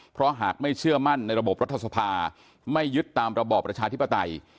เพราะหากไม่เชื่อมั่นในระบบรัฐสภาไม่ยึดตามระบอบประชาธิปไตย